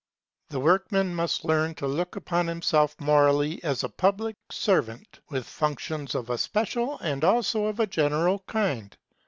The workman must learn to look upon himself, morally, as a public servant, with functions of a special and also of a general kind.